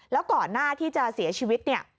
แล้วก่อนหน้าที่จะเสียชีวิตเนี่ย